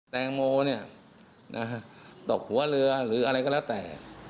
แตงโมตกหัวเรือหรืออะไรก็แล้วแต่